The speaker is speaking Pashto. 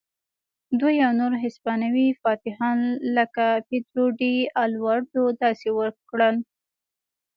دوی او نور هسپانوي فاتحان لکه پیدرو ډي الواردو داسې وکړل.